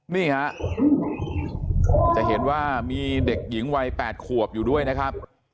นี่ฮะจะเห็นว่ามีเด็กหญิงวัย๘ขวบอยู่ด้วยนะครับ